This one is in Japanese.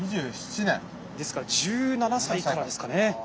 ですから１７歳からですかね。